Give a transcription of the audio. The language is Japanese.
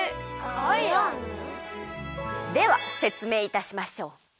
ではせつめいいたしましょう。